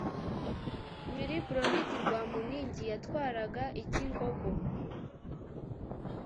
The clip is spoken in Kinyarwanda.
Wilibrordi Rwamuningi yatwaraga Icyingogo.